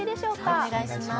お願いします。